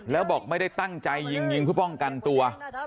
แล้วบอกไม่ได้ตั้งใจยิงผู้ป้องกันตัว